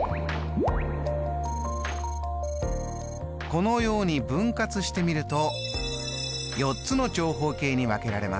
このように分割してみると４つの長方形に分けられます。